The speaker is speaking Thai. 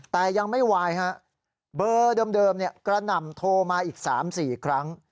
แต่ยังไม่ไหวฮะเบอร์เดิมกระหน่ำโทรมาอีก๓๔ครั้ง